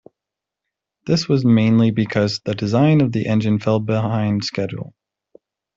This was mainly because the design of the engine fell behind schedule.